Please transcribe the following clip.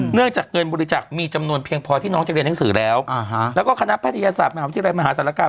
เนื่องจากเงินบริจาคมีจำนวนเพียงพอที่น้องจะเรียนหนังสือแล้วแล้วก็คณะแพทยศาสตร์มหาวิทยาลัยมหาศาลกรรม